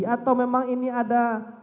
atau memang ini ada